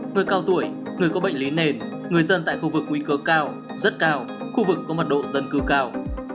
người cao tuổi người có bệnh lý nền người dân tại khu vực nguy cơ cao rất cao khu vực có mật độ dân cư cao